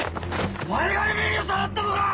お前がえみりをさらったのか‼